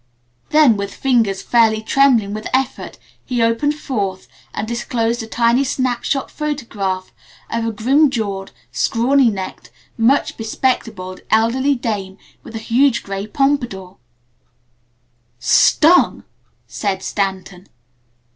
Then with fingers fairly trembling with effort, he opened forth and disclosed a tiny snap shot photograph of a grim jawed, scrawny necked, much be spectacled elderly dame with a huge gray pompadour. [Illustration: An elderly dame] "Stung!" said Stanton.